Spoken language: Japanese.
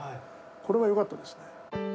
これがよかったですね。